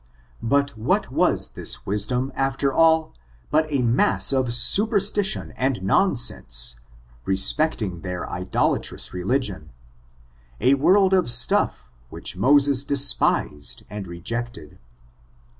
But what was this wisdom after all, but a mass of superstition and nonsense, respecting their idolatrous religion, a ' world of stuff, which Moses despised and rejected.